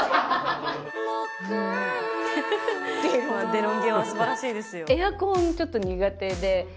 デロンギは素晴らしいですよ。